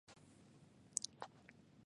金钦格是德国巴伐利亚州的一个市镇。